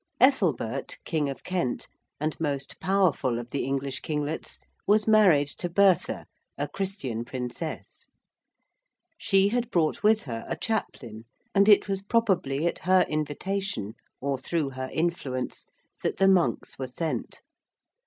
Ethelbert, King of Kent, and most powerful of the English kinglets, was married to Bertha, a Christian princess. She had brought with her a chaplain and it was probably at her invitation or through her influence, that the monks were sent.